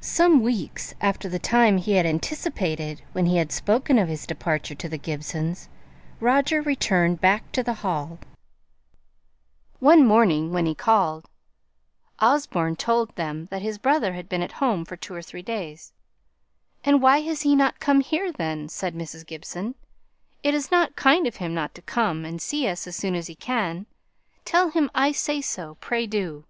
Some weeks after the time he had anticipated when he had spoken of his departure to the Gibsons, Roger returned back to the Hall. One morning when he called, Osborne told them that his brother had been at home for two or three days. "And why has he not come here, then?" said Mrs. Gibson. "It is not kind of him not to come and see us as soon as he can. Tell him I say so pray do."